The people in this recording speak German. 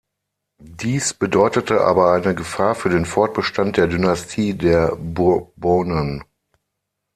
Dies bedeutete aber eine Gefahr für den Fortbestand der Dynastie der Bourbonen.